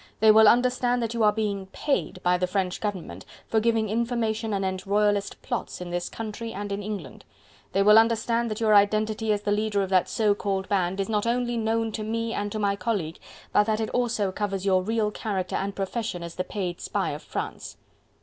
they will understand that you are being PAID by the French government for giving information anent royalist plots in this country and in England... they will understand that your identity as the leader of that so called band is not only known to me and to my colleague, but that it also covers your real character and profession as the paid spy of France."